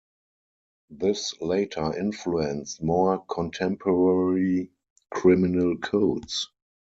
This later influenced more contemporary criminal codes.